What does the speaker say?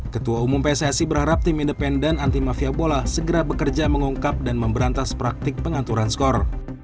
ketua umum pssi berharap tim independen anti mafia bola segera bekerja mengungkap dan memberantas praktik pengaturan skor